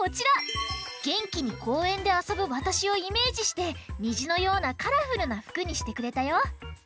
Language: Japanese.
げんきにこうえんであそぶわたしをイメージしてにじのようなカラフルなふくにしてくれたよ！